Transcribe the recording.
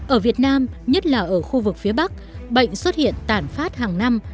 ở việt nam nhất là ở khu vực phía bắc bệnh xuất hiện tản phát hàng năm